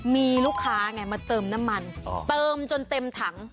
มีลูกค้าไงมาเติมน้ำมันเติมจนเต็มถัง